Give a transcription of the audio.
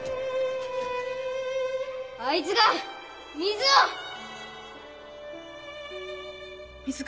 あいつが水を！